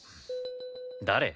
誰？